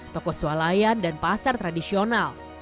tokos walayan dan pasar tradisional